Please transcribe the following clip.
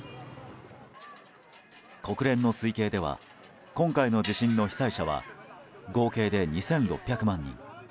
国連の推計では今回の地震の被災者は合計で２６００万人。